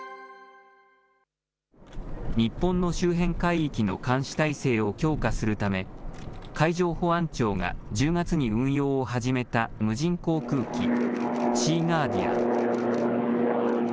日本の周辺海域の監視体制を強化するため、海上保安庁が１０月に運用を始めた無人航空機、シーガーディアン。